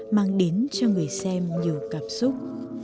mang đến cho người xem nhiều cảm xúc